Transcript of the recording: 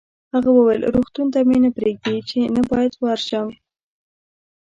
هغه وویل: روغتون ته مې نه پرېږدي، چې نه باید ورشم.